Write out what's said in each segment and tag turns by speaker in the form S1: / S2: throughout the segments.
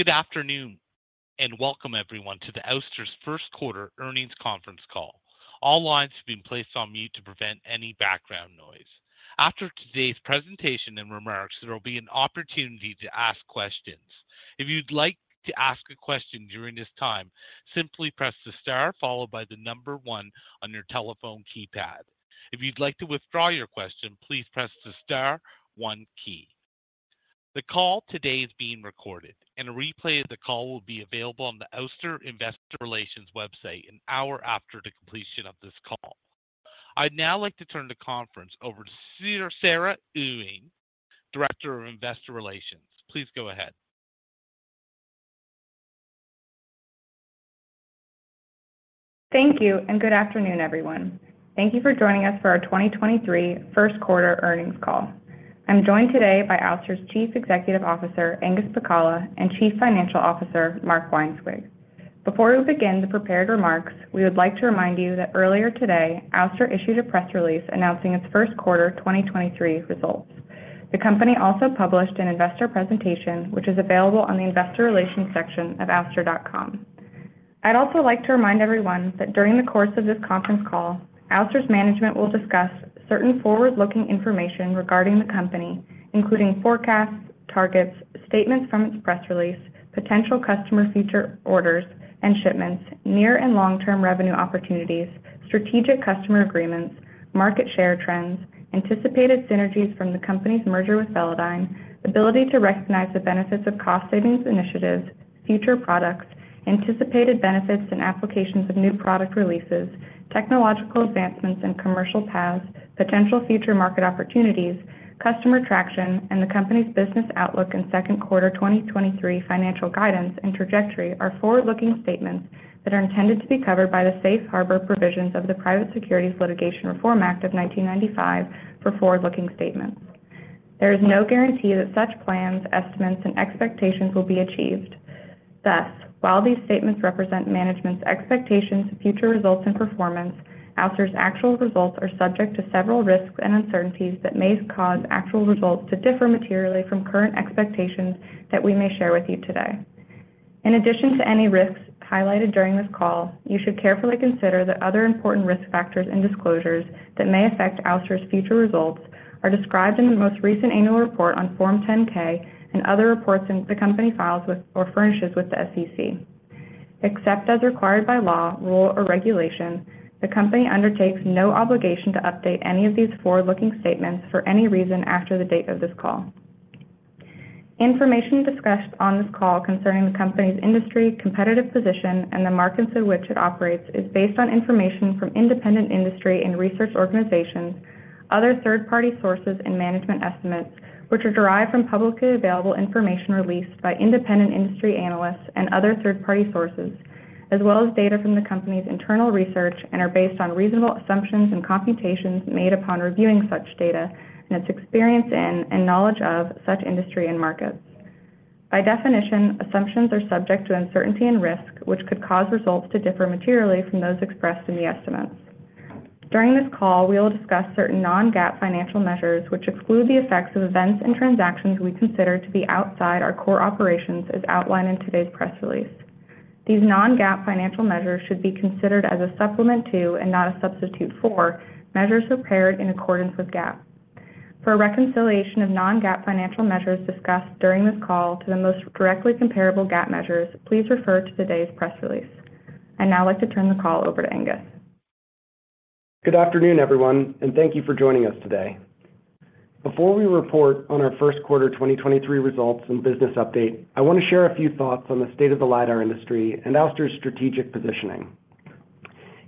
S1: Good afternoon, and welcome everyone to Ouster's first quarter earnings conference call. All lines have been placed on mute to prevent any background noise. After today's presentation and remarks, there will be an opportunity to ask questions. If you'd like to ask a question during this time, simply press star one on your telephone keypad. If you'd like to withdraw your question, please press the star one key. The call today is being recorded and a replay of the call will be available on the Ouster Investor Relations website an hour after the completion of this call. I'd now like to turn the conference over to Sarah Ewing, Director of Investor Relations. Please go ahead.
S2: Thank you and good afternoon, everyone. Thank you for joining us for our 2023 first quarter earnings call. I'm joined today by Ouster's Chief Executive Officer, Angus Pacala, and Chief Financial Officer, Mark Weinswig. Before we begin the prepared remarks, we would like to remind you that earlier today, Ouster issued a press release announcing its first quarter 2023 results. The company also published an investor presentation, which is available on the investor relations section of ouster.com. I'd also like to remind everyone that during the course of this conference call, Ouster's management will discuss certain forward-looking information regarding the company, including forecasts, targets, statements from its press release, potential customer feature orders and shipments, near and long-term revenue opportunities, strategic customer agreements, market share trends, anticipated synergies from the company's merger with Velodyne, ability to recognize the benefits of cost savings initiatives, future products, anticipated benefits and applications of new product releases, technological advancements in commercial paths, potential future market opportunities, customer traction, and the company's business outlook in second quarter 2023 financial guidance and trajectory are forward-looking statements that are intended to be covered by the safe harbor provisions of the Private Securities Litigation Reform Act of 1995 for forward-looking statements. There is no guarantee that such plans, estimates, and expectations will be achieved. While these statements represent management's expectations, future results, and performance, Ouster's actual results are subject to several risks and uncertainties that may cause actual results to differ materially from current expectations that we may share with you today. In addition to any risks highlighted during this call, you should carefully consider that other important risk factors and disclosures that may affect Ouster's future results are described in the most recent annual report on Form 10-K and other reports the company files with or furnishes with the SEC. Except as required by law, rule, or regulation, the company undertakes no obligation to update any of these forward-looking statements for any reason after the date of this call. Information discussed on this call concerning the company's industry, competitive position, and the markets in which it operates is based on information from independent industry and research organizations, other third-party sources and management estimates, which are derived from publicly available information released by independent industry analysts and other third-party sources, as well as data from the company's internal research and are based on reasonable assumptions and computations made upon reviewing such data and its experience in and knowledge of such industry and markets. By definition, assumptions are subject to uncertainty and risk, which could cause results to differ materially from those expressed in the estimates. During this call, we will discuss certain non-GAAP financial measures which exclude the effects of events and transactions we consider to be outside our core operations as outlined in today's press release. These non-GAAP financial measures should be considered as a supplement to and not a substitute for measures prepared in accordance with GAAP. For a reconciliation of non-GAAP financial measures discussed during this call to the most directly comparable GAAP measures, please refer to today's press release. I'd now like to turn the call over to Angus.
S3: Good afternoon, everyone. Thank you for joining us today. Before we report on our first quarter 2023 results and business update, I want to share a few thoughts on the state of the lidar industry and Ouster's strategic positioning.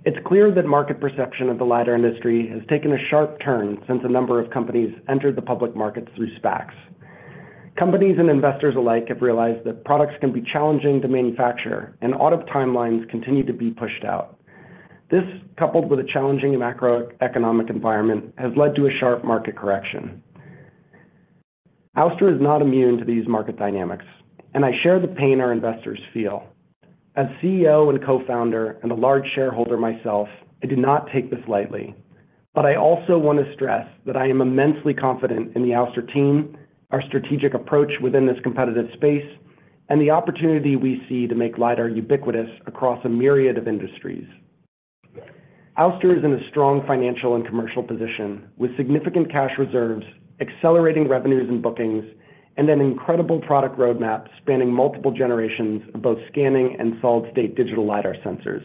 S3: It's clear that market perception of the lidar industry has taken a sharp turn since a number of companies entered the public markets through SPACs. Companies and investors alike have realized that products can be challenging to manufacture and audit timelines continue to be pushed out. This, coupled with a challenging macroeconomic environment, has led to a sharp market correction. Ouster is not immune to these market dynamics, and I share the pain our investors feel. As CEO and co-founder and a large shareholder myself, I do not take this lightly. I also want to stress that I am immensely confident in the Ouster team, our strategic approach within this competitive space, and the opportunity we see to make lidar ubiquitous across a myriad of industries. Ouster is in a strong financial and commercial position with significant cash reserves, accelerating revenues and bookings, and an incredible product roadmap spanning multiple generations of both scanning and solid state digital lidar sensors,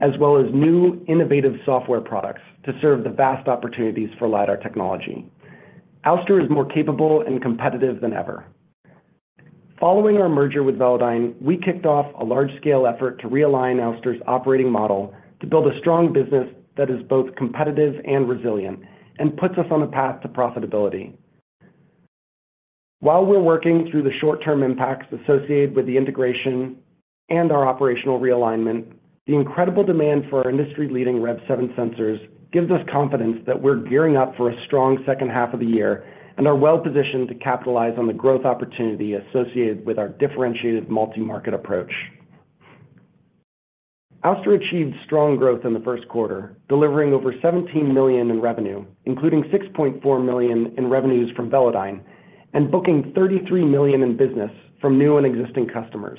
S3: as well as new innovative software products to serve the vast opportunities for lidar technology. Ouster is more capable and competitive than ever. Following our merger with Velodyne, we kicked off a large-scale effort to realign Ouster's operating model to build a strong business that is both competitive and resilient and puts us on a path to profitability. While we're working through the short-term impacts associated with the integration and our operational realignment, the incredible demand for our industry-leading REV7 sensors gives us confidence that we're gearing up for a strong second half of the year and are well-positioned to capitalize on the growth opportunity associated with our differentiated multi-market approach. Ouster achieved strong growth in the first quarter, delivering over $17 million in revenue, including $6.4 million in revenues from Velodyne and booking $33 million in business from new and existing customers.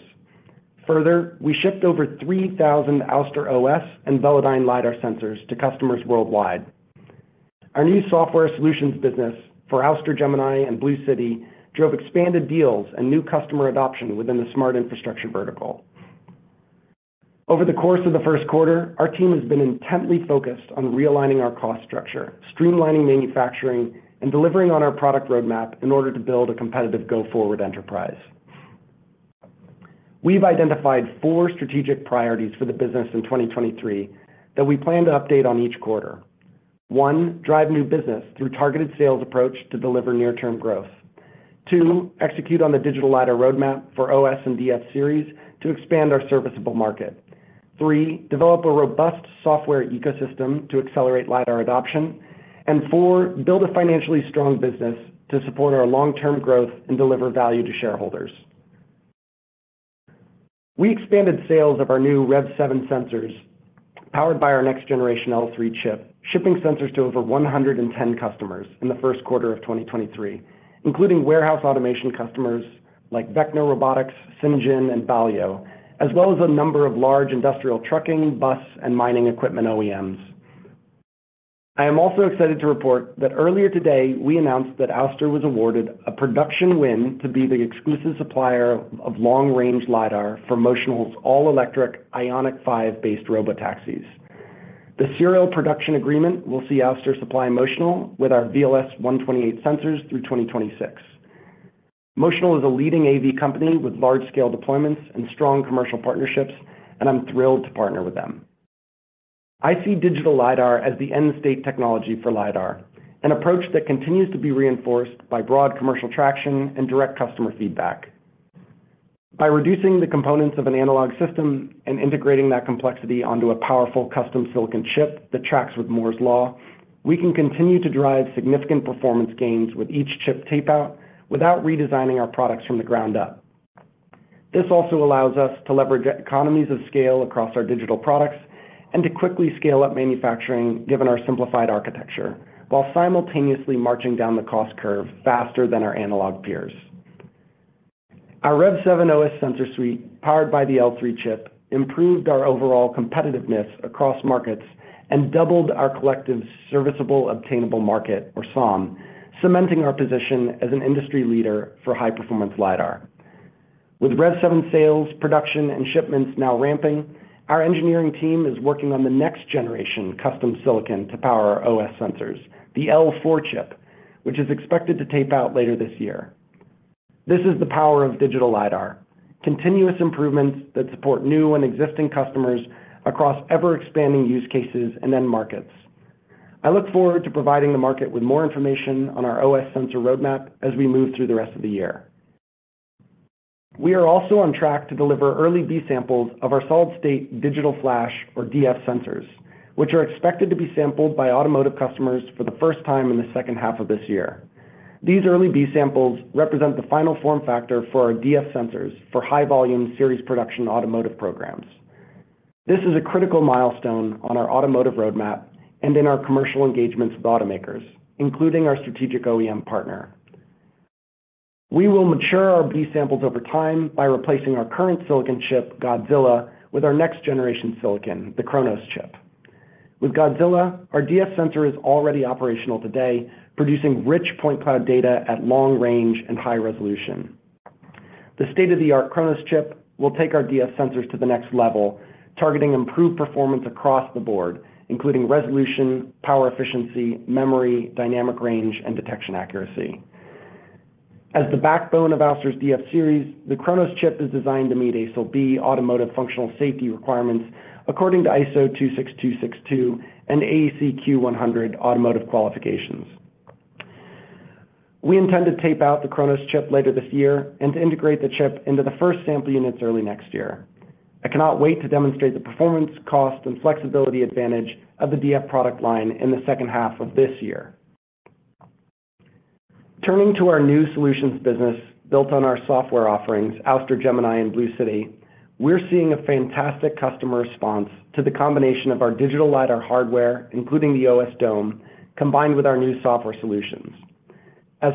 S3: We shipped over 3,000 Ouster OS and Velodyne lidar sensors to customers worldwide. Our new software solutions business for Ouster Gemini and Ouster BlueCity drove expanded deals and new customer adoption within the smart infrastructure vertical. Over the course of the first quarter, our team has been intently focused on realigning our cost structure, streamlining manufacturing and delivering on our product roadmap in order to build a competitive go-forward enterprise. We've identified four strategic priorities for the business in 2023 that we plan to update on each quarter. One, drive new business through targeted sales approach to deliver near term growth. Two, execute on the digital lidar roadmap for OS and DF series to expand our serviceable market. Three, develop a robust software ecosystem to accelerate lidar adoption. Four, build a financially strong business to support our long term growth and deliver value to shareholders. We expanded sales of our new REV7 sensors powered by our next generation L3 chip, shipping sensors to over 110 customers in the first quarter of 2023, including warehouse automation customers like Vecna Robotics, Cyngn, and Valeo, as well as a number of large industrial trucking, bus and mining equipment OEMs. I am also excited to report that earlier today we announced that Ouster was awarded a production win to be the exclusive supplier of long-range lidar for Motional's all-electric IONIQ 5 based robotaxis. The serial production agreement will see Ouster supply Motional with our VLS-128 sensors through 2026. Motional is a leading AV company with large scale deployments and strong commercial partnerships, and I'm thrilled to partner with them. I see digital lidar as the end state technology for lidar, an approach that continues to be reinforced by broad commercial traction and direct customer feedback. By reducing the components of an analog system and integrating that complexity onto a powerful custom silicon chip that tracks with Moore's Law, we can continue to drive significant performance gains with each chip tape out without redesigning our products from the ground up. This also allows us to leverage economies of scale across our digital products and to quickly scale up manufacturing, given our simplified architecture while simultaneously marching down the cost curve faster than our analog peers. Our REV7 OS sensor suite, powered by the L3 chip, improved our overall competitiveness across markets and doubled our collective serviceable obtainable market, or SOM, cementing our position as an industry leader for high performance lidar. With REV7 sales, production and shipments now ramping, our engineering team is working on the next generation custom silicon to power our OS sensors. The L4 chip, which is expected to tape out later this year. This is the power of digital lidar. Continuous improvements that support new and existing customers across ever expanding use cases and end markets. I look forward to providing the market with more information on our OS sensor roadmap as we move through the rest of the year. We are also on track to deliver early B-samples of our solid-state Digital Flash, or DF sensors, which are expected to be sampled by automotive customers for the first time in the second half of this year. These early B-samples represent the final form factor for our DF sensors for high volume series production automotive programs. This is a critical milestone on our automotive roadmap and in our commercial engagements with automakers, including our strategic OEM partner. We will mature our B-samples over time by replacing our current silicon chip, Godzilla, with our next generation silicon, the Chronos chip. With Godzilla, our DF sensor is already operational today, producing rich point cloud data at long range and high resolution. The state-of-the-art Chronos chip will take our DF sensors to the next level, targeting improved performance across the board, including resolution, power efficiency, memory, dynamic range, and detection accuracy. As the backbone of Ouster's DF series, the Chronos chip is designed to meet ASIL B automotive functional safety requirements according to ISO 26262 and AEC-Q100 automotive qualifications. We intend to tape out the Chronos chip later this year and to integrate the chip into the first sample units early next year. I cannot wait to demonstrate the performance, cost, and flexibility advantage of the DF product line in the second half of this year. Turning to our new solutions business built on our software offerings, Ouster Gemini and Ouster BlueCity, we're seeing a fantastic customer response to the combination of our digital lidar hardware, including the OSDome, combined with our new software solutions.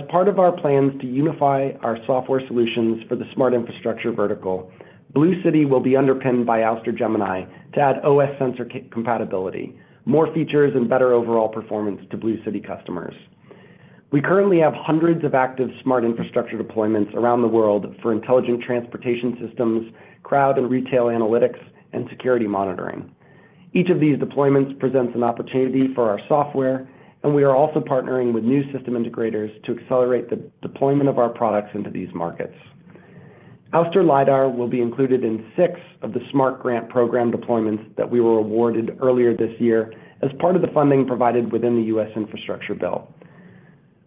S3: Part of our plans to unify our software solutions for the smart infrastructure vertical, Ouster BlueCity will be underpinned by Ouster Gemini to add OS sensor compatibility, more features, and better overall performance to Ouster BlueCity customers. We currently have hundreds of active smart infrastructure deployments around the world for intelligent transportation systems, crowd and retail analytics, and security monitoring. Each of these deployments presents an opportunity for our software. We are also partnering with new system integrators to accelerate the deployment of our products into these markets. Ouster lidar will be included in six of the SMART grant program deployments that we were awarded earlier this year as part of the funding provided within the U.S. infrastructure bill.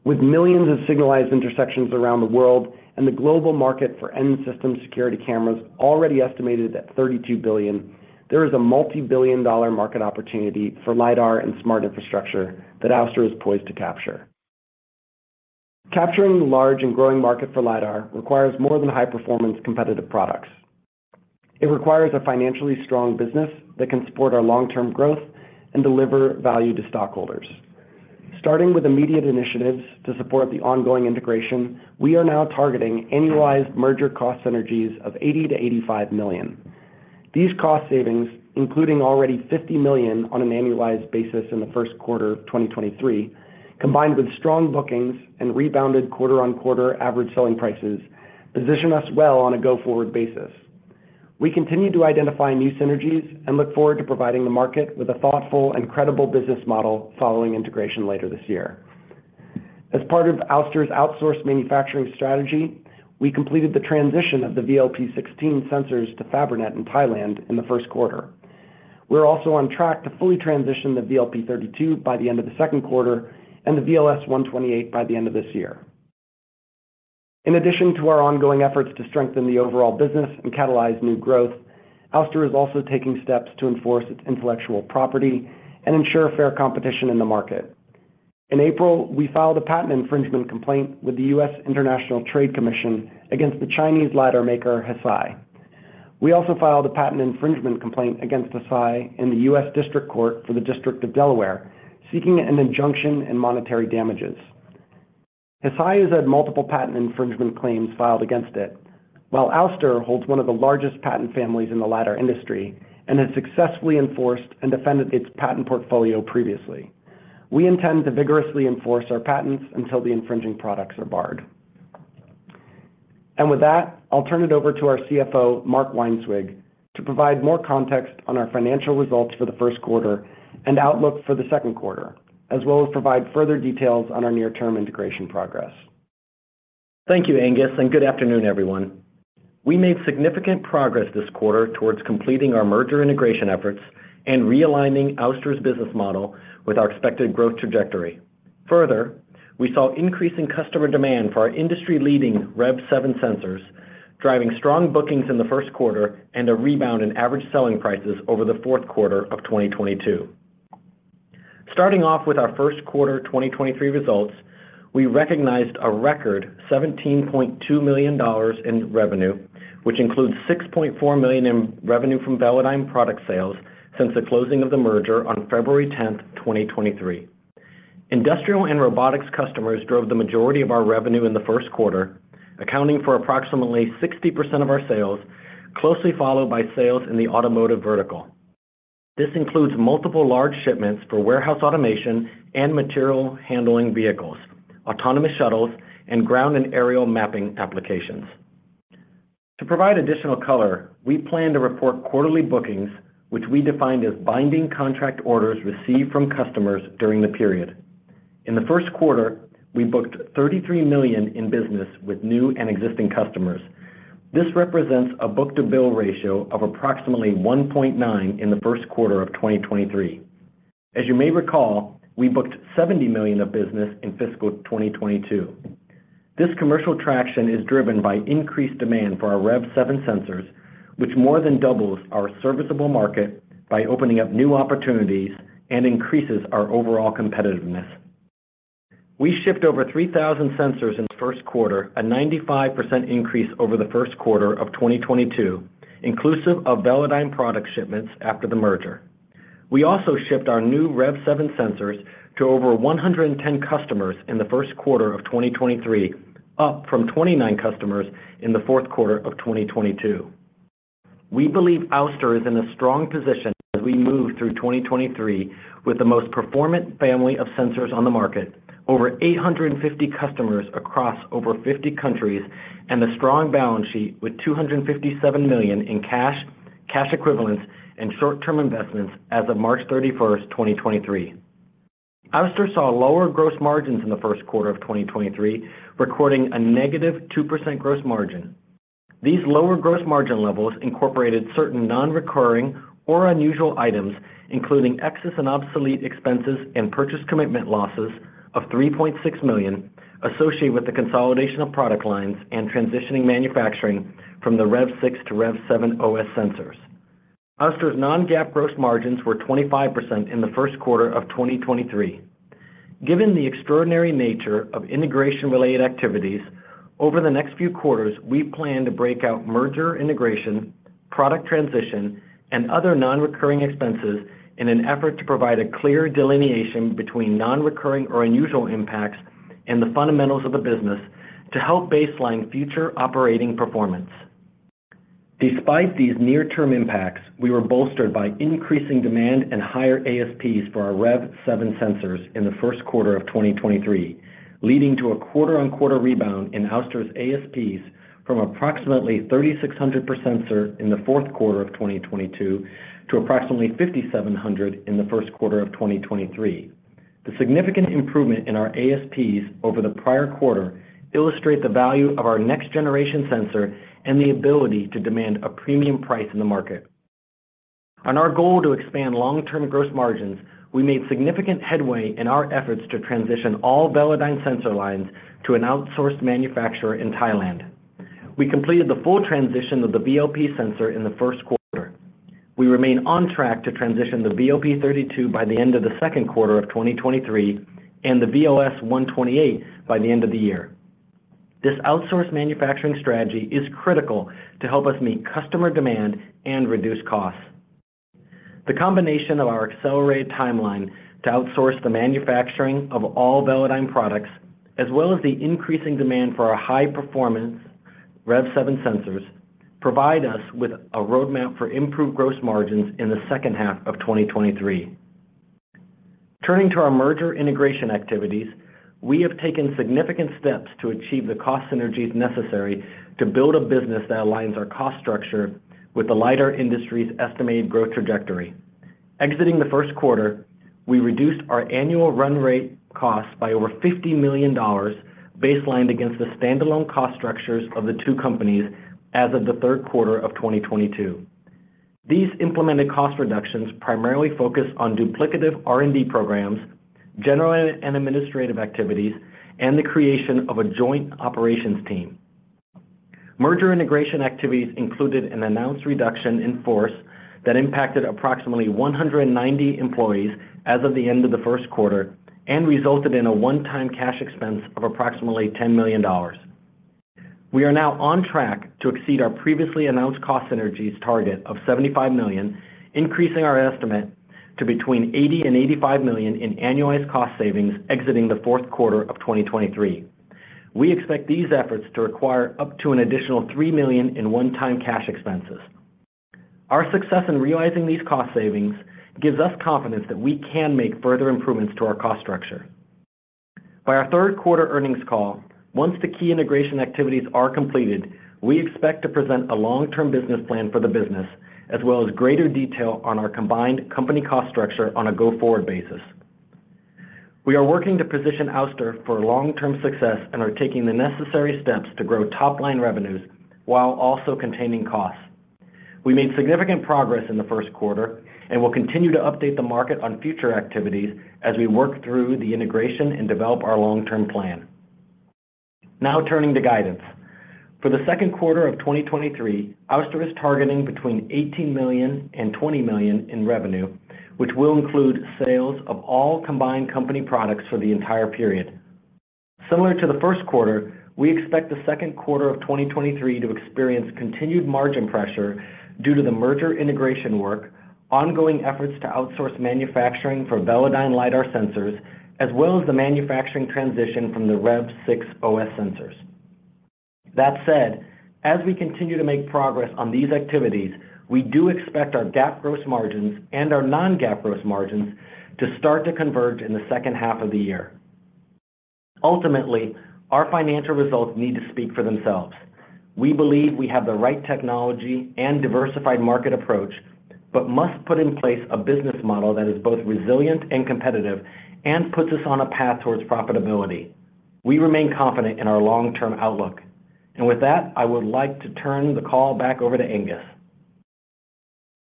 S3: With millions of signalized intersections around the world and the global market for end system security cameras already estimated at $32 billion, there is a multi-billion dollar market opportunity for lidar and smart infrastructure that Ouster is poised to capture. Capturing the large and growing market for lidar requires more than high-performance competitive products. It requires a financially strong business that can support our long-term growth and deliver value to stockholders. Starting with immediate initiatives to support the ongoing integration, we are now targeting annualized merger cost synergies of $80 million-$85 million. These cost savings, including already $50 million on an annualized basis in the first quarter of 2023, combined with strong bookings and rebounded quarter-on-quarter Average Selling Prices, position us well on a go-forward basis. We continue to identify new synergies and look forward to providing the market with a thoughtful and credible business model following integration later this year. As part of Ouster's outsourced manufacturing strategy, we completed the transition of the VLP-16 sensors to Fabrinet in Thailand in the first quarter. We're also on track to fully transition the VLP-32 by the end of the second quarter and the VLS-128 by the end of this year. In addition to our ongoing efforts to strengthen the overall business and catalyze new growth, Ouster is also taking steps to enforce its intellectual property and ensure fair competition in the market. In April, we filed a patent infringement complaint with the U.S. International Trade Commission against the Chinese lidar maker Hesai. We also filed a patent infringement complaint against Hesai in the U.S. District Court for the District of Delaware, seeking an injunction in monetary damages. Hesai has had multiple patent infringement claims filed against it, while Ouster holds one of the largest patent families in the lidar industry and has successfully enforced and defended its patent portfolio previously. We intend to vigorously enforce our patents until the infringing products are barred. With that, I'll turn it over to our CFO, Mark Weinswig, to provide more context on our financial results for the first quarter and outlook for the second quarter, as well as provide further details on our near-term integration progress.
S4: Thank you, Angus. Good afternoon, everyone. We made significant progress this quarter towards completing our merger integration efforts and realigning Ouster's business model with our expected growth trajectory. Further, we saw increasing customer demand for our industry-leading REV7 sensors, driving strong bookings in the first quarter and a rebound in average selling prices over the fourth quarter of 2022. Starting off with our first quarter 2023 results, we recognized a record $17.2 million in revenue, which includes $6.4 million in revenue from Velodyne product sales since the closing of the merger on February 10th, 2023. Industrial and robotics customers drove the majority of our revenue in the first quarter, accounting for approximately 60% of our sales, closely followed by sales in the automotive vertical. This includes multiple large shipments for warehouse automation and material handling vehicles, autonomous shuttles, and ground and aerial mapping applications. To provide additional color, we plan to report quarterly bookings, which we defined as binding contract orders received from customers during the period. In the first quarter, we booked $33 million in business with new and existing customers. This represents a book-to-bill ratio of approximately 1.9 in the first quarter of 2023. As you may recall, we booked $70 million of business in fiscal 2022. This commercial traction is driven by increased demand for our REV7 sensors, which more than doubles our serviceable market by opening up new opportunities and increases our overall competitiveness. We shipped over 3,000 sensors in the first quarter, a 95% increase over the first quarter of 2022, inclusive of Velodyne product shipments after the merger. We also shipped our new REV7 sensors to over 110 customers in the first quarter of 2023, up from 29 customers in the fourth quarter of 2022. We believe Ouster is in a strong position as we move through 2023 with the most performant family of sensors on the market, over 850 customers across over 50 countries, and a strong balance sheet with $257 million in cash equivalents, and short-term investments as of March 31st, 2023. Ouster saw lower gross margins in the first quarter of 2023, recording a negative 2% gross margin. These lower gross margin levels incorporated certain non-recurring or unusual items, including excess and obsolete expenses and purchase commitment losses of $3.6 million associated with the consolidation of product lines and transitioning manufacturing from the REV6 to REV7 OS sensors. Ouster's non-GAAP gross margins were 25% in the first quarter of 2023. Given the extraordinary nature of integration-related activities, over the next few quarters, we plan to break out merger integration, product transition, and other non-recurring expenses in an effort to provide a clear delineation between non-recurring or unusual impacts and the fundamentals of the business to help baseline future operating performance. Despite these near-term impacts, we were bolstered by increasing demand and higher ASPs for our REV7 sensors in the first quarter of 2023, leading to a quarter-on-quarter rebound in Ouster's ASPs from approximately $3,600 per sensor in the fourth quarter of 2022 to approximately $5,700 in the first quarter of 2023. The significant improvement in our ASPs over the prior quarter illustrate the value of our next generation sensor and the ability to demand a premium price in the market. On our goal to expand long-term gross margins, we made significant headway in our efforts to transition all Velodyne sensor lines to an outsourced manufacturer in Thailand. We completed the full transition of the VLP sensor in the first quarter. We remain on track to transition the VLP-32 by the end of the second quarter of 2023 and the VLS-128 by the end of the year. This outsourced manufacturing strategy is critical to help us meet customer demand and reduce costs. The combination of our accelerated timeline to outsource the manufacturing of all Velodyne products, as well as the increasing demand for our high performance REV7 sensors, provide us with a roadmap for improved gross margins in the second half of 2023. Turning to our merger integration activities, we have taken significant steps to achieve the cost synergies necessary to build a business that aligns our cost structure with the lidar industry's estimated growth trajectory. Exiting the first quarter, we reduced our annual run rate costs by over $50 million, baselined against the standalone cost structures of the two companies as of the third quarter of 2022. These implemented cost reductions primarily focus on duplicative R&D programs, general and administrative activities, and the creation of a joint operations team. Merger integration activities included an announced reduction in force that impacted approximately 190 employees as of the end of the first quarter and resulted in a one-time cash expense of approximately $10 million. We are now on track to exceed our previously announced cost synergies target of $75 million, increasing our estimate to between $80 million and $85 million in annualized cost savings exiting the fourth quarter of 2023. We expect these efforts to require up to an additional $3 million in one-time cash expenses. Our success in realizing these cost savings gives us confidence that we can make further improvements to our cost structure. By our third quarter earnings call, once the key integration activities are completed, we expect to present a long-term business plan for the business, as well as greater detail on our combined company cost structure on a go-forward basis. We are working to position Ouster for long-term success and are taking the necessary steps to grow top-line revenues while also containing costs. We made significant progress in the first quarter and will continue to update the market on future activities as we work through the integration and develop our long-term plan. Turning to guidance. For the second quarter of 2023, Ouster is targeting between $18 million and $20 million in revenue, which will include sales of all combined company products for the entire period. Similar to the first quarter, we expect the second quarter of 2023 to experience continued margin pressure due to the merger integration work, ongoing efforts to outsource manufacturing for Velodyne lidar sensors, as well as the manufacturing transition from the REV6 OS sensors. That said, as we continue to make progress on these activities, we do expect our GAAP gross margins and our non-GAAP gross margins to start to converge in the second half of the year. Ultimately, our financial results need to speak for themselves. We believe we have the right technology and diversified market approach, but must put in place a business model that is both resilient and competitive and puts us on a path towards profitability. We remain confident in our long-term outlook. With that, I would like to turn the call back over to Angus.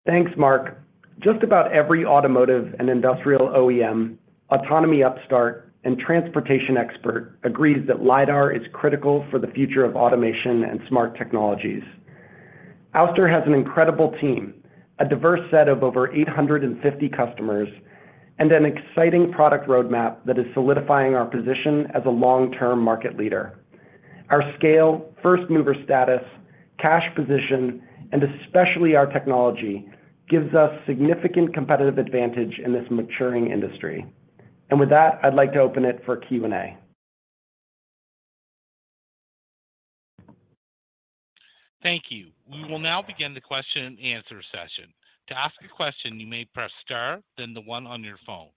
S4: Thanks, Mark. Just about every automotive and industrial OEM, autonomy upstart, and transportation expert agrees that lidar is critical for the future of automation and smart technologies. Ouster has an incredible team, a diverse set of over 850 customers, and an exciting product roadmap that is solidifying our position as a long-term market leader. Our scale, first mover status, cash position, and especially our technology gives us significant competitive advantage in this maturing industry. With that, I'd like to open it for Q&A.
S1: Thank you. We will now begin the question and answer session. To ask a question, you may press star, then the one on your phone.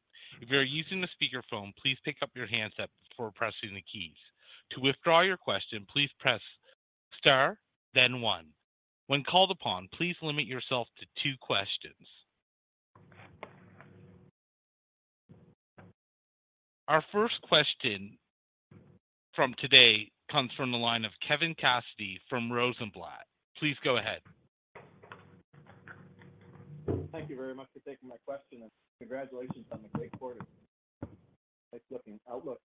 S1: If you are using the speakerphone, please pick up your handset before pressing the keys. To withdraw your question, please press star, then one. When called upon, please limit yourself to two questions. Our first question from today comes from the line of Kevin Cassidy from Rosenblatt. Please go ahead.
S5: Thank you very much for taking my question, and congratulations on the great quarter. Nice looking outlook.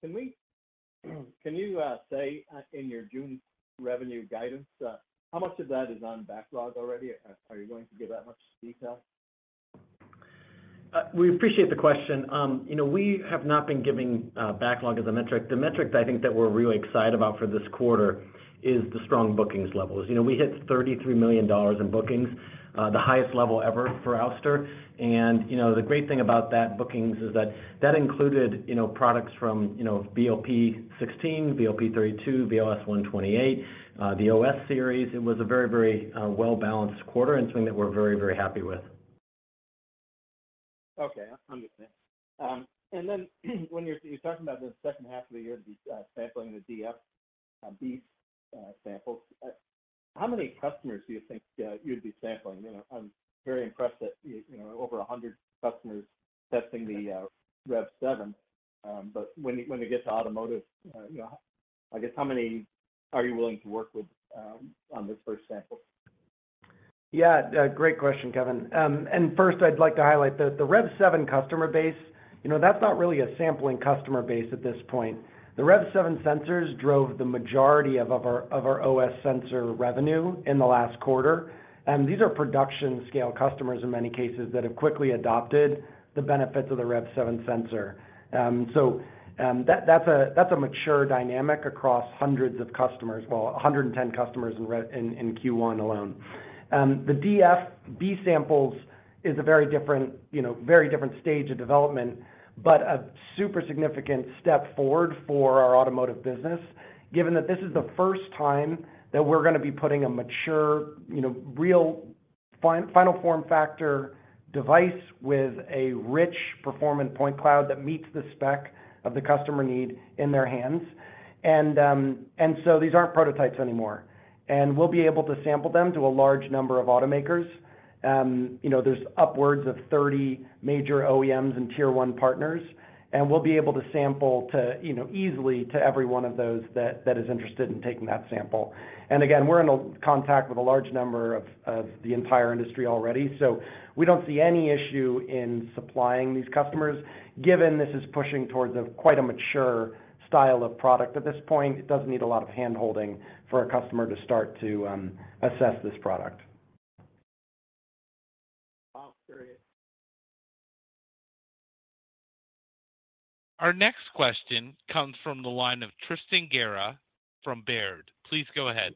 S5: Can you say in your June revenue guidance, how much of that is on backlog already? Are you going to give that much detail?
S4: We appreciate the question. You know, we have not been giving backlog as a metric. The metrics I think that we're really excited about for this quarter is the strong bookings levels. You know, we hit $33 million in bookings, the highest level ever for Ouster. You know, the great thing about that bookings is that that included, you know, products from, you know, BOP-16, BOP-32, VLS-128, the OS series. It was a very, very well-balanced quarter and something that we're very, very happy with.
S5: Okay. Understood. When you're talking about the second half of the year, the sampling of the DF, these samples, how many customers do you think you'd be sampling? You know, I'm very impressed that, you know, over 100 customers testing the REV7. When it, when it gets to automotive, you know, I guess how many are you willing to work with on this first sample?
S3: Yeah. A great question, Kevin. First I'd like to highlight the REV7 customer base. You know, that's not really a sampling customer base at this point. The REV7 sensors drove the majority of our OS sensor revenue in the last quarter. These are production scale customers in many cases that have quickly adopted the benefits of the REV7 sensor. So, that's a mature dynamic across hundreds of customers. Well, 110 customers in Q1 alone. The DF B-samples is a very different, you know, very different stage of development, but a super significant step forward for our automotive business, given that this is the first time that we're gonna be putting a mature, you know, real final form factor device with a rich performant point cloud that meets the spec of the customer need in their hands. These aren't prototypes anymore, and we'll be able to sample them to a large number of automakers. You know, there's upwards of 30 major OEMs and tier 1 partners, and we'll be able to sample to, you know, easily to every one of those that is interested in taking that sample. Again, we're in contact with a large number of the entire industry already. We don't see any issue in supplying these customers, given this is pushing towards a quite a mature style of product at this point. It doesn't need a lot of handholding for a customer to start to assess this product.
S1: Our next question comes from the line of Tristan Gerra from Baird. Please go ahead.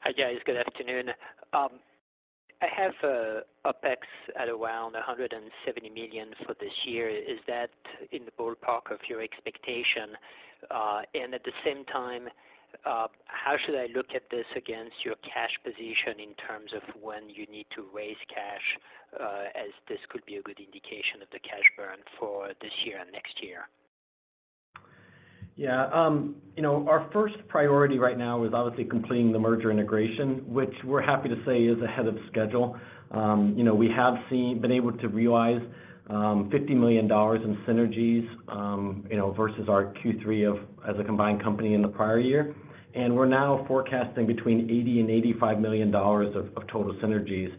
S6: Hi, guys. Good afternoon. I have OpEx at around $170 million for this year. Is that in the ballpark of your expectation? At the same time, how should I look at this against your cash position in terms of when you need to raise cash, as this could be a good indication of the cash burn for this year and next year?
S3: You know, our first priority right now is obviously completing the merger integration, which we're happy to say is ahead of schedule. You know, we have been able to realize $50 million in synergies, you know, versus our Q3 of as a combined company in the prior year. We're now forecasting between $80 million and $85 million of total synergies.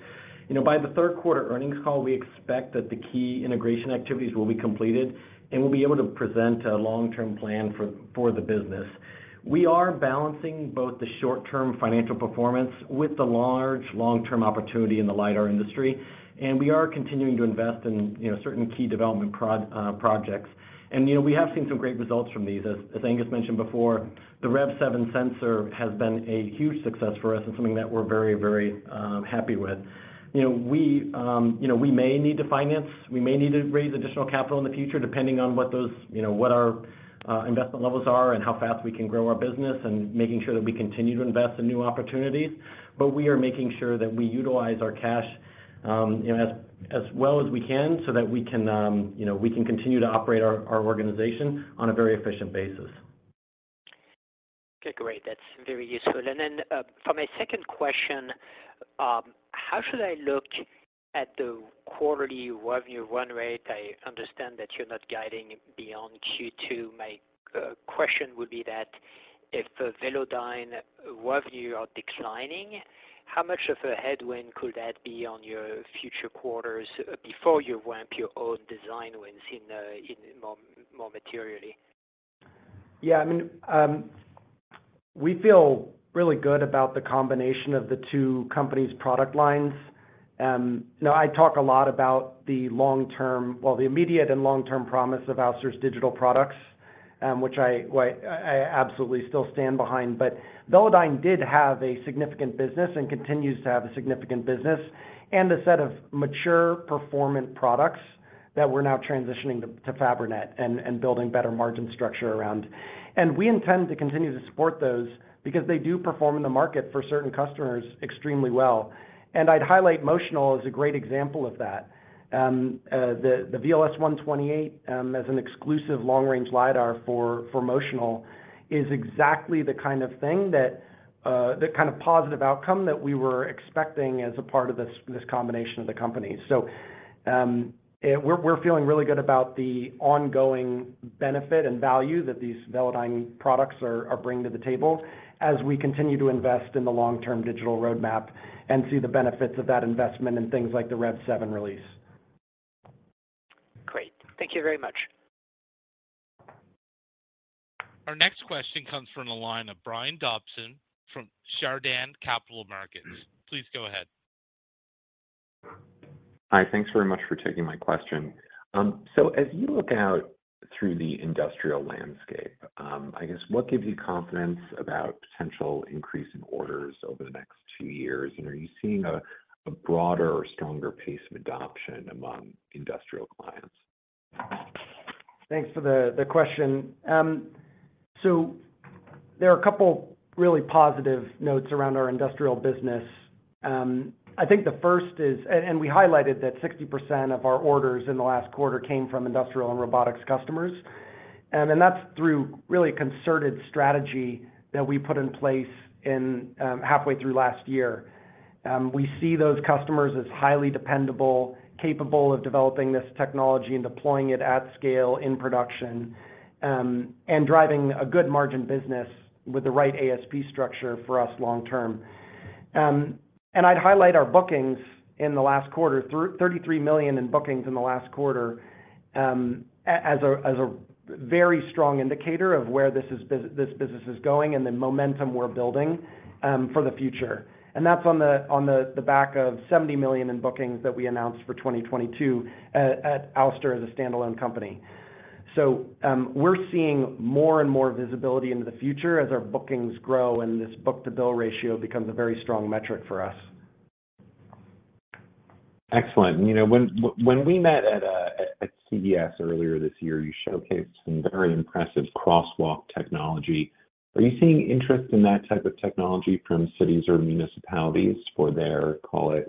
S3: You know, by the third quarter earnings call, we expect that the key integration activities will be completed, and we'll be able to present a long-term plan for the business. We are balancing both the short-term financial performance with the large long-term opportunity in the lidar industry, and we are continuing to invest in, you know, certain key development projects. You know, we have seen some great results from these. As Angus mentioned before, the REV7 sensor has been a huge success for us and something that we're very happy with. You know, we, you know, we may need to finance, we may need to raise additional capital in the future depending on what those, you know, what our investment levels are and how fast we can grow our business, and making sure that we continue to invest in new opportunities. We are making sure that we utilize our cash, you know, as well as we can so that we can, you know, we can continue to operate our organization on a very efficient basis.
S6: Okay, great. That's very useful. Then, for my second question, how should I look at the quarterly revenue run rate? I understand that you're not guiding beyond Q2. My question would be that if Velodyne revenue are declining, how much of a headwind could that be on your future quarters before you ramp your own design wins in more materially?
S3: I mean, we feel really good about the combination of the two companies' product lines. you know, I talk a lot about Well, the immediate and long-term promise of Ouster's digital products, which I absolutely still stand behind. Velodyne did have a significant business and continues to have a significant business and a set of mature performant products that we're now transitioning to Fabrinet and building better margin structure around. we intend to continue to support those because they do perform in the market for certain customers extremely well. I'd highlight Motional as a great example of that. The VLS-128 as an exclusive long-range lidar for Motional is exactly the kind of thing that the kind of positive outcome that we were expecting as a part of this combination of the company. We're feeling really good about the ongoing benefit and value that these Velodyne products are bringing to the table as we continue to invest in the long-term digital roadmap and see the benefits of that investment in things like the REV7 release.
S6: Great. Thank you very much.
S1: Our next question comes from the line of Brian Dobson from Chardan Capital Markets. Please go ahead.
S7: Hi. Thanks very much for taking my question. As you look out through the industrial landscape, I guess what gives you confidence about potential increase in orders over the next two years? Are you seeing a broader or stronger pace of adoption among industrial clients?
S3: Thanks for the question. There are a couple really positive notes around our industrial business. I think the first is. We highlighted that 60% of our orders in the last quarter came from industrial and robotics customers. That's through really concerted strategy that we put in place in halfway through last year. We see those customers as highly dependable, capable of developing this technology and deploying it at scale in production, and driving a good margin business with the right ASP structure for us long term. I'd highlight our bookings in the last quarter, $33 million in bookings in the last quarter, as a very strong indicator of where this business is going and the momentum we're building for the future. That's on the, on the back of $70 million in bookings that we announced for 2022 at Ouster as a standalone company. We're seeing more and more visibility into the future as our bookings grow, and this book-to-bill ratio becomes a very strong metric for us.
S7: Excellent. You know, when we met at CES earlier this year, you showcased some very impressive crosswalk technology. Are you seeing interest in that type of technology from cities or municipalities for their, call it,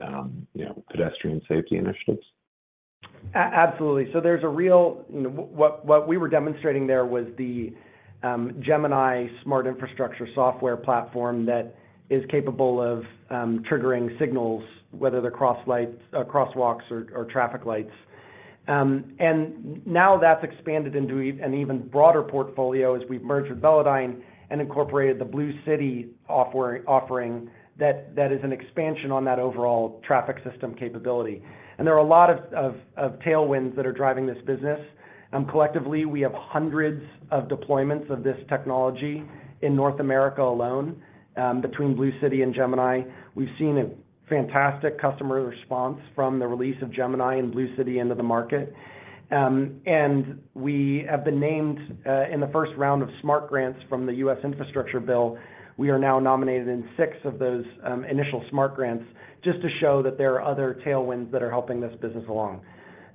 S7: you know, pedestrian safety initiatives?
S3: Absolutely. You know, what we were demonstrating there was the Gemini smart infrastructure software platform that is capable of triggering signals, whether they're cross lights, crosswalks or traffic lights. Now that's expanded into an even broader portfolio as we've merged with Velodyne and incorporated the Ouster BlueCity offering that is an expansion on that overall traffic system capability. There are a lot of tailwinds that are driving this business. Collectively, we have hundreds of deployments of this technology in North America alone, between Ouster BlueCity and Gemini. We've seen a fantastic customer response from the release of Gemini and Ouster BlueCity into the market. We have been named in the first round of SMART grants from the US infrastructure bill. We are now nominated in six of those, initial SMART grants just to show that there are other tailwinds that are helping this business along.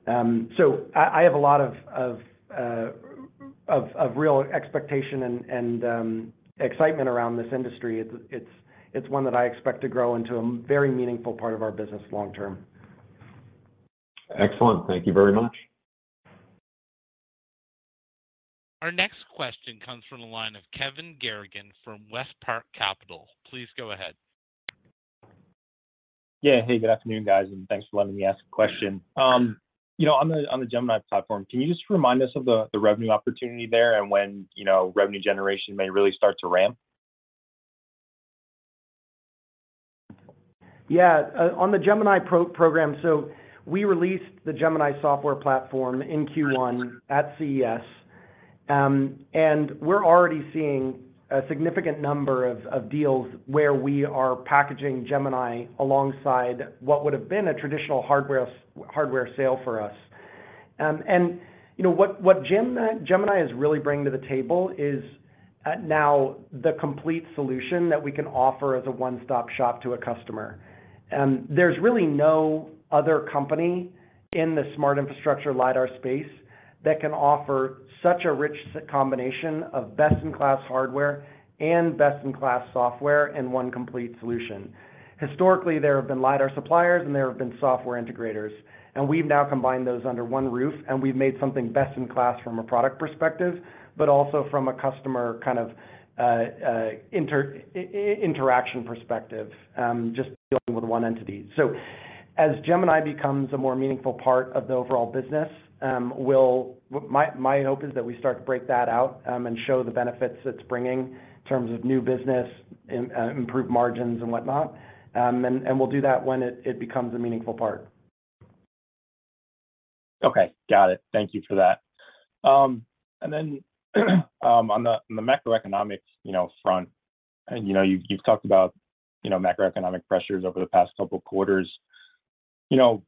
S3: I have a lot of real expectation and excitement around this industry. It's one that I expect to grow into a very meaningful part of our business long term.
S7: Excellent. Thank you very much.
S1: Our next question comes from the line of Kevin Garrigan from WestPark Capital. Please go ahead.
S8: Hey, good afternoon, guys, thanks for letting me ask a question. you know, on the, on the Gemini platform, can you just remind us of the revenue opportunity there and when, you know, revenue generation may really start to ramp?
S3: Yeah. On the Gemini pro-program, we released the Gemini software platform in Q1 at CES. We're already seeing a significant number of deals where we are packaging Gemini alongside what would have been a traditional hardware sale for us. You know, what Gemini is really bringing to the table is now the complete solution that we can offer as a one-stop shop to a customer. There's really no other company in the smart infrastructure lidar space that can offer such a rich combination of best-in-class hardware and best-in-class software in one complete solution. Historically, there have been lidar suppliers and there have been software integrators, and we've now combined those under one roof, and we've made something best in class from a product perspective, but also from a customer kind of, interaction perspective, just dealing with one entity. As Gemini becomes a more meaningful part of the overall business, my hope is that we start to break that out, and show the benefits it's bringing in terms of new business, improved margins and whatnot. And we'll do that when it becomes a meaningful part.
S8: Okay. Got it. Thank you for that. On the macroeconomics, you know, front, you know, you've talked about, you know, macroeconomic pressures over the past couple quarters. You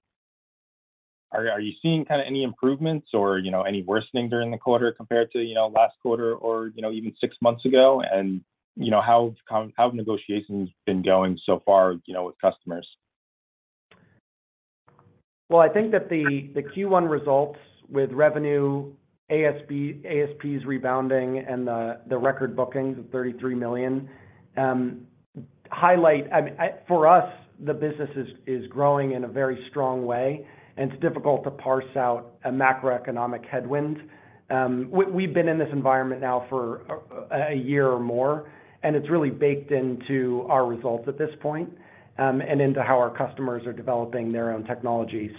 S8: know, are you seeing kinda any improvements or, you know, any worsening during the quarter compared to, you know, last quarter or, you know, even 6 months ago? You know, how have negotiations been going so far, you know, with customers?
S3: Well, I think that the Q1 results with revenue, ASPs rebounding and the record bookings of $33 million highlight for us, the business is growing in a very strong way, and it's difficult to parse out a macroeconomic headwind. We've been in this environment now for a year or more, and it's really baked into our results at this point, and into how our customers are developing their own technology.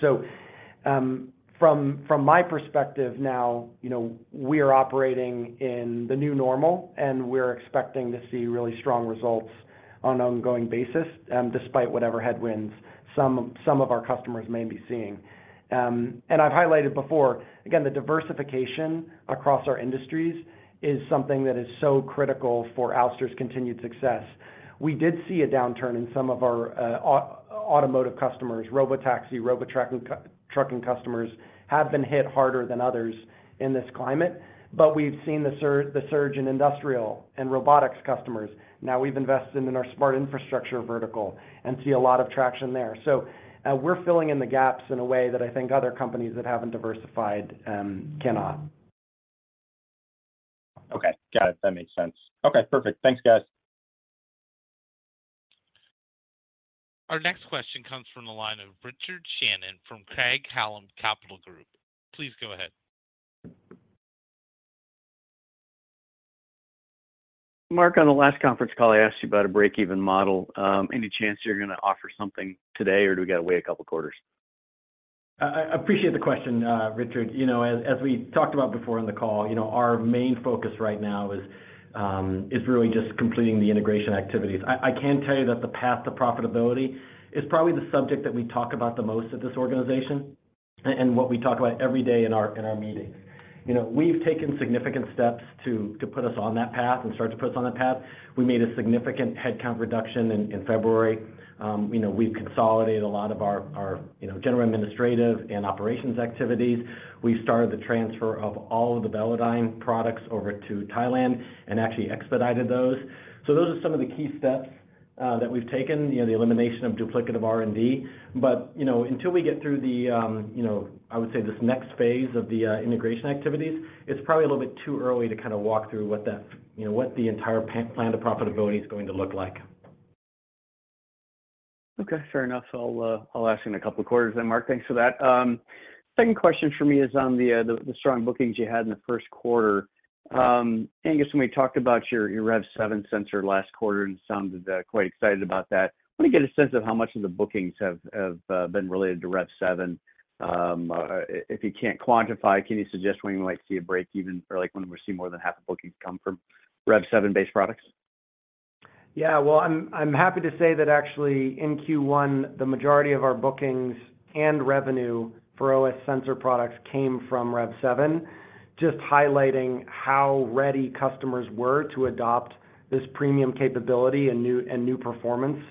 S3: From my perspective now, you know, we are operating in the new normal, and we're expecting to see really strong results on an ongoing basis, despite whatever headwinds some of our customers may be seeing. I've highlighted before, again, the diversification across our industries is something that is so critical for Ouster's continued success. We did see a downturn in some of our automotive customers. Robotaxi, robot trucking customers have been hit harder than others in this climate, but we've seen the surge in industrial and robotics customers now we've invested in our smart infrastructure vertical and see a lot of traction there. We're filling in the gaps in a way that I think other companies that haven't diversified, cannot.
S8: Okay. Got it. That makes sense. Okay. Perfect. Thanks, guys.
S1: Our next question comes from the line of Richard Shannon from Craig-Hallum Capital Group. Please go ahead.
S9: Mark, on the last conference call, I asked you about a break-even model. Any chance you're gonna offer something today, or do we gotta wait a couple quarters?
S3: I appreciate the question, Richard. You know, as we talked about before in the call, you know, our main focus right now is really just completing the integration activities. I can tell you that the path to profitability is probably the subject that we talk about the most at this organization and what we talk about every day in our meetings. You know, we've taken significant steps to put us on that path and start to put us on that path. We made a significant headcount reduction in February. You know, we've consolidated a lot of our, you know, general administrative and operations activities. We started the transfer of all of the Velodyne products over to Thailand and actually expedited those. Those are some of the key steps that we've taken, you know, the elimination of duplicative R&D. You know, until we get through the, you know, I would say this next phase of the integration activities, it's probably a little bit too early to kind of walk through, you know, what the entire plan to profitability is going to look like.
S9: Okay, fair enough. I'll ask you in a couple of quarters then, Mark. Thanks for that. Second question for me is on the strong bookings you had in the first quarter. Angus, when we talked about your REV7 sensor last quarter and sounded quite excited about that. Let me get a sense of how much of the bookings have been related to REV7. If you can't quantify, can you suggest when you might see a break even or like when we see more than half the bookings come from REV7-based products?
S3: Well, I'm happy to say that actually in Q1, the majority of our bookings and revenue for OS sensor products came from REV7, just highlighting how ready customers were to adopt this premium capability and new performance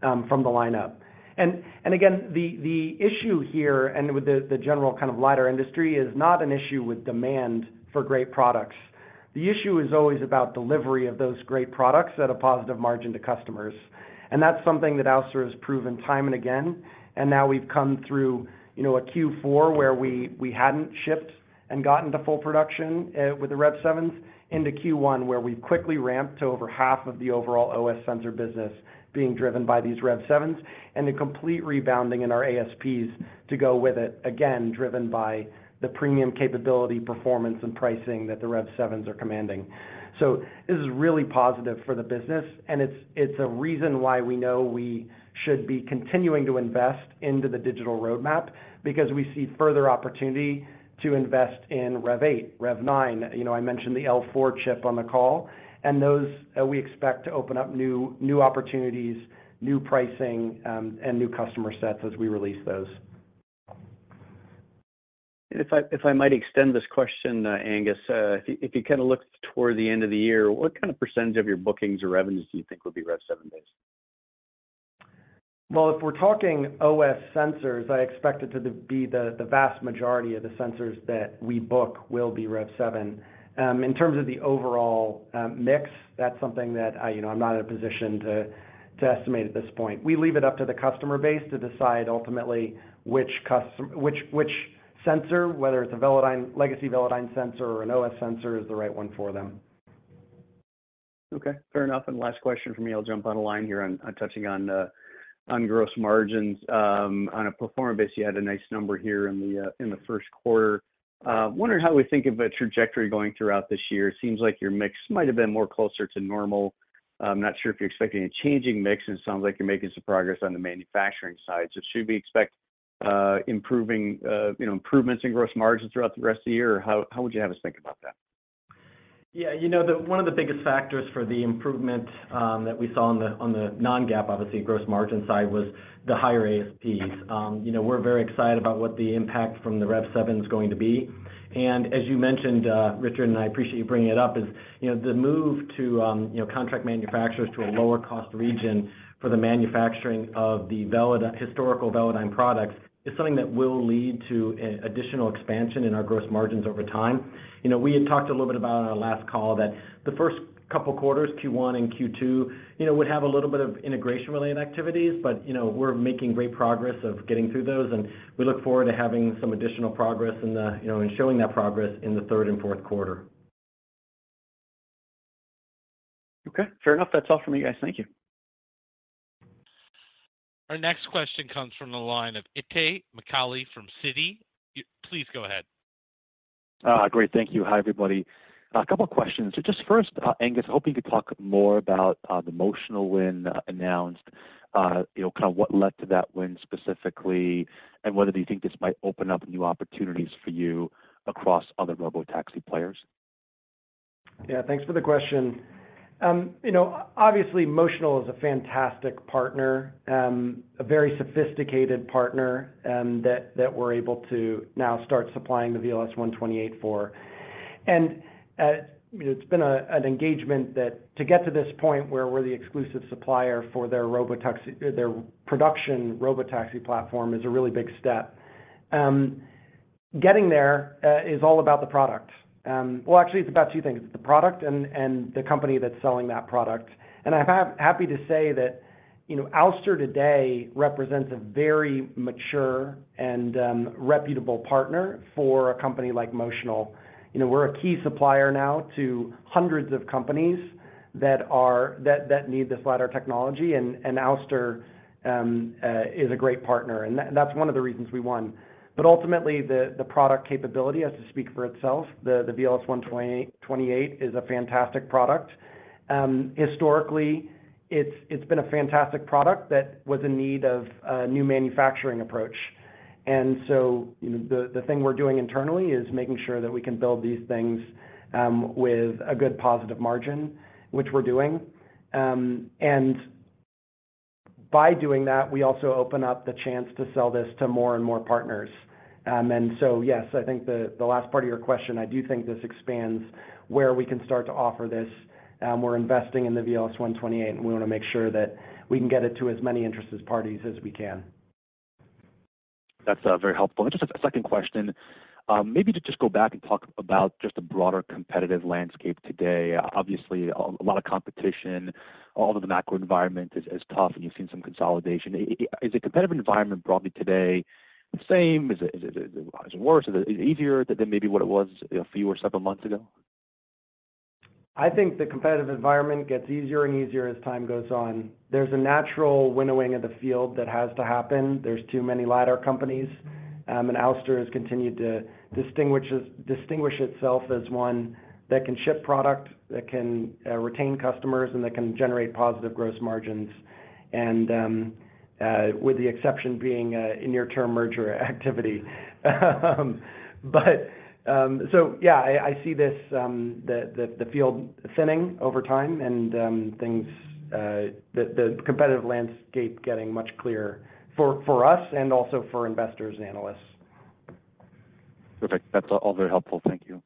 S3: from the lineup. Again, the issue here and with the general kind of lidar industry is not an issue with demand for great products. The issue is always about delivery of those great products at a positive margin to customers, and that's something that Ouster has proven time and again. Now we've come through, you know, a Q4 where we hadn't shipped and gotten to full production with the REV7s into Q1, where we quickly ramped to over half of the overall OS sensor business being driven by these REV7s and the complete rebounding in our ASPs to go with it, again, driven by the premium capability, performance, and pricing that the REV7s are commanding. This is really positive for the business, and it's a reason why we know we should be continuing to invest into the digital roadmap because we see further opportunity to invest in REV8, REV9. You know, I mentioned the L4 chip on the call, and those we expect to open up new opportunities, new pricing, and new customer sets as we release those.
S9: If I might extend this question, Angus, if you kind of look toward the end of the year, what kind of % of your bookings or revenues do you think will be REV7 based?
S3: Well, if we're talking OS sensors, I expect it to be the vast majority of the sensors that we book will be REV7. In terms of the overall mix, that's something that I, you know, I'm not in a position to estimate at this point. We leave it up to the customer base to decide ultimately which sensor, whether it's a legacy Velodyne sensor or an OS sensor is the right one for them.
S9: Okay. Fair enough. Last question from me, I'll jump on a line here on touching on gross margins. On a pro forma basis, you had a nice number here in the, in the first quarter. Wondering how we think of a trajectory going throughout this year? It seems like your mix might have been more closer to normal. I'm not sure if you're expecting a changing mix, and it sounds like you're making some progress on the manufacturing side. Should we expect, you know, improvements in gross margins throughout the rest of the year, or how would you have us think about that?
S3: Yeah. You know, one of the biggest factors for the improvement, that we saw on the non-GAAP, obviously, gross margin side was the higher ASPs. You know, we're very excited about what the impact from the REV7 is going to be. As you mentioned, Richard, and I appreciate you bringing it up, is, you know, the move to, you know, contract manufacturers to a lower cost region for the manufacturing of the historical Velodyne products is something that will lead to additional expansion in our gross margins over time. You know, we had talked a little bit about on our last call that the first couple quarters, Q1 and Q2, you know, would have a little bit of integration-related activities. You know, we're making great progress of getting through those, and we look forward to having some additional progress in the, you know, and showing that progress in the third and fourth quarter.
S9: Okay. Fair enough. That's all from me, guys. Thank you.
S1: Our next question comes from the line of Itay Michaeli from Citi. Please go ahead.
S10: Great. Thank you. Hi, everybody. A couple questions. Just first, Angus, hoping you could talk more about the Motional win announced. You know, kind of what led to that win specifically, and whether you think this might open up new opportunities for you across other robotaxi players.
S3: Yeah. Thanks for the question. You know, obviously Motional is a fantastic partner, a very sophisticated partner, that we're able to now start supplying the VLS-128 for. You know, it's been an engagement that to get to this point where we're the exclusive supplier for their production robotaxi platform is a really big step. Getting there is all about the product. Well, actually, it's about two things. It's the product and the company that's selling that product. I'm happy to say that, you know, Ouster today represents a very mature and reputable partner for a company like Motional. You know, we're a key supplier now to hundreds of companies that need this LiDAR technology, and Ouster is a great partner. That's one of the reasons we won. Ultimately, the product capability has to speak for itself. The VLS-128 is a fantastic product.
S4: Historically, it's been a fantastic product that was in need of a new manufacturing approach. You know, the thing we're doing internally is making sure that we can build these things, with a good positive margin, which we're doing. By doing that, we also open up the chance to sell this to more and more partners. Yes, I think the last part of your question, I do think this expands where we can start to offer this. We're investing in the VLS-128, and we wanna make sure that we can get it to as many interested parties as we can.
S10: That's very helpful. Just a second question. Maybe to just go back and talk about just the broader competitive landscape today. Obviously a lot of competition, a lot of the macro environment is tough, and you've seen some consolidation. Is the competitive environment broadly today the same? Is it worse? Is it easier than maybe what it was a few or several months ago?
S4: I think the competitive environment gets easier and easier as time goes on. There's a natural winnowing of the field that has to happen. There's too many lidar companies. Ouster has continued to distinguish itself as one that can ship product, that can retain customers, and that can generate positive gross margins. With the exception being in near-term merger activity. Yeah, I see this the field thinning over time and things the competitive landscape getting much clearer for us and also for investors and analysts.
S10: Perfect. That's all very helpful. Thank you.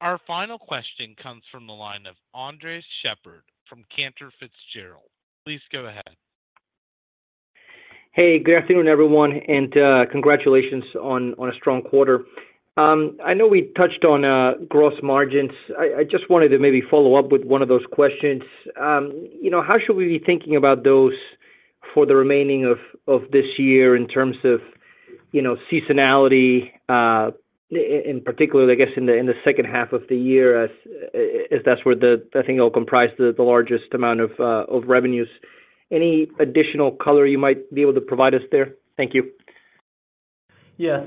S1: Our final question comes from the line of Andres Sheppard from Cantor Fitzgerald. Please go ahead.
S11: Hey, good afternoon, everyone, and congratulations on a strong quarter. I know we touched on gross margins. I just wanted to maybe follow up with one of those questions. You know, how should we be thinking about those for the remaining of this year in terms of, you know, seasonality, in particular, I guess, in the second half of the year as that's where the, I think it'll comprise the largest amount of revenues. Any additional color you might be able to provide us there? Thank you.
S4: Yes.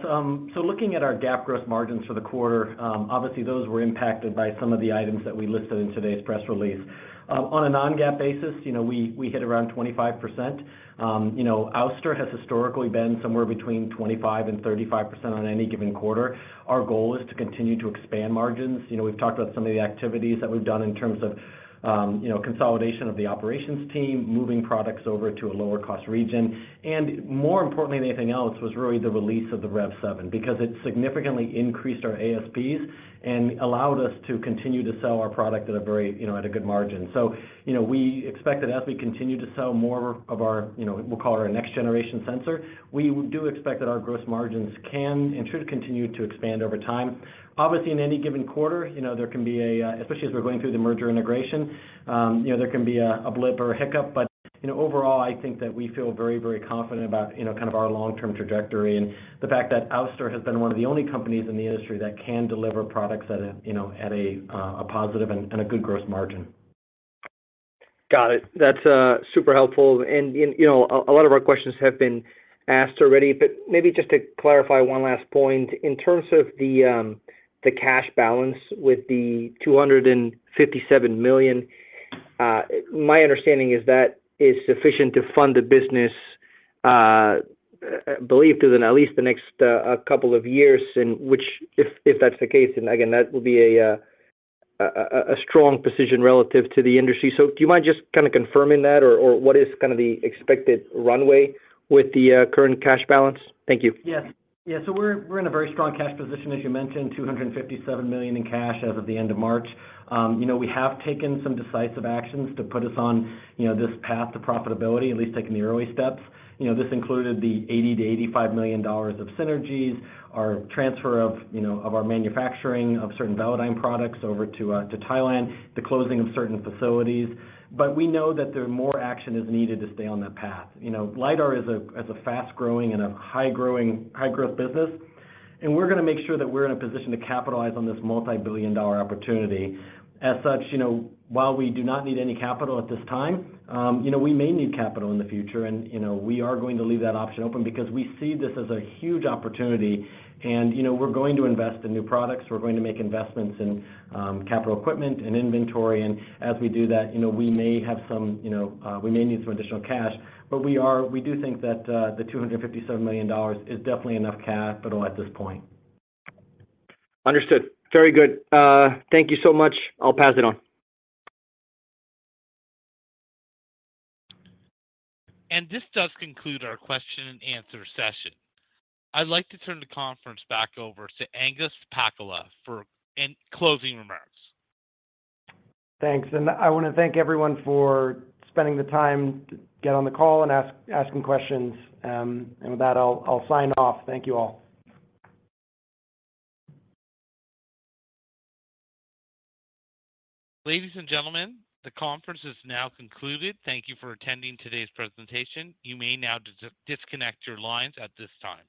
S4: Looking at our GAAP gross margins for the quarter, obviously those were impacted by some of the items that we listed in today's press release. On a non-GAAP basis, you know, we hit around 25%. You know, Ouster has historically been somewhere between 25% and 35% on any given quarter. Our goal is to continue to expand margins. You know, we've talked about some of the activities that we've done in terms of, you know, consolidation of the operations team, moving products over to a lower cost region. More importantly than anything else was really the release of the REV7 because it significantly increased our ASPs and allowed us to continue to sell our product at a very, you know, at a good margin. You know, we expect that as we continue to sell more of our, you know, we'll call it our next generation sensor, we do expect that our gross margins can and should continue to expand over time. Obviously, in any given quarter, you know, there can be a, especially as we're going through the merger integration, you know, there can be a blip or a hiccup. You know, overall, I think that we feel very, very confident about, you know, kind of our long-term trajectory and the fact that Ouster has been one of the only companies in the industry that can deliver products at a, you know, at a positive and a good gross margin.
S11: Got it. That's super helpful. you know, a lot of our questions have been asked already, but maybe just to clarify one last point. In terms of the cash balance with the $257 million, my understanding is that is sufficient to fund the business, I believe through the, at least the next couple of years. which if that's the case, then again, that will be a strong position relative to the industry. Do you mind just kind of confirming that or what is kind of the expected runway with the current cash balance? Thank you.
S4: Yes. Yeah. We're, we're in a very strong cash position, as you mentioned, $257 million in cash as of the end of March. You know, we have taken some decisive actions to put us on, you know, this path to profitability, at least taking the early steps. You know, this included the $80 million-$85 million of synergies, our transfer of, you know, of our manufacturing of certain Velodyne products over to Thailand, the closing of certain facilities. We know that there more action is needed to stay on that path. You know, lidar is a fast-growing and a high-growth business, and we're gonna make sure that we're in a position to capitalize on this multi-billion dollar opportunity. As such, you know, while we do not need any capital at this time, you know, we may need capital in the future and, you know, we are going to leave that option open because we see this as a huge opportunity and, you know, we're going to invest in new products. We're going to make investments in, capital equipment and inventory. As we do that, you know, we may have some, you know, we may need some additional cash. We do think that the $257 million is definitely enough capital at this point.
S11: Understood. Very good. Thank you so much. I'll pass it on.
S1: This does conclude our question and answer session. I'd like to turn the conference back over to Angus Pacala for any closing remarks.
S3: Thanks. I wanna thank everyone for spending the time to get on the call and asking questions. With that, I'll sign off. Thank you all.
S1: Ladies and gentlemen, the conference is now concluded. Thank you for attending today's presentation. You may now disconnect your lines at this time.